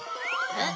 あっ！